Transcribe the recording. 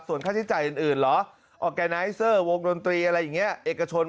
ส่วนค่าใช้จ่ายอื่นเหรอออร์แกไนเซอร์วงดนตรีอะไรอย่างนี้เอกชน